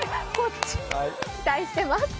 期待しています。